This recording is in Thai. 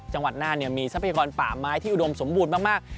จังหวัดน่านมีทรัพยากรป่าไม้ที่อุดมสมบูรณ์มาก